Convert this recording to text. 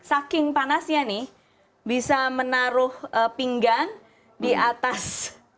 saking panasnya nih bisa menaruh pinggang di atas